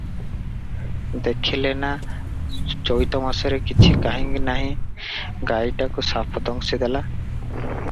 ଦେଖିଲେ ନା ଚୈଇତମାସରେ କିଛି କାହିଁ ନାହିଁ, ଗାଈଟାକୁ ସାପ ଦଂଶିଦେଲା!